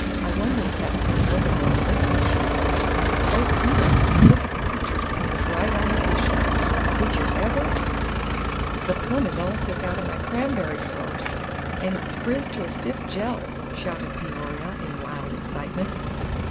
I wonder if that's so nobody 'll nip 'em; an' oh, Peter, look at the pictures painted right on ter the dishes. Did yer ever!" "The plums is all took out o' my cramb'ry sarse, an' it's friz to a stiff jell!" shouted Peoria, in wild excitement.